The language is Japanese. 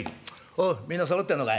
おうみんなそろってんのかい？